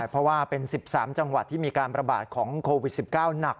เพราะว่าเป็น๑๓จังหวัดที่มีการประบาดของโควิด๑๙หนัก